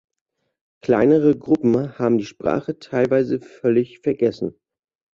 Kleinere Gruppen haben die Sprache teilweise völlig vergessen.